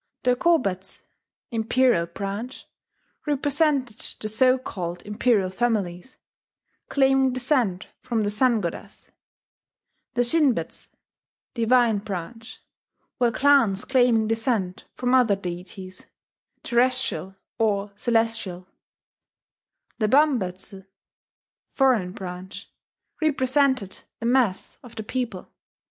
The Kobetsu ("Imperial Branch") represented the so called imperial families, claiming descent from the Sun goddess; the Shinbetsu ("Divine Branch") were clans claiming descent from other deities, terrestrial or celestial; the Bambetsu ("Foreign Branch") represented the mass of the people.